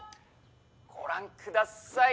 ご覧ください。